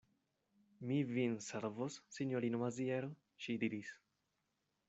Mi vin servos, sinjoro Maziero, ŝi diris.